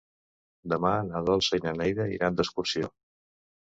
Demà na Dolça i na Neida iran d'excursió.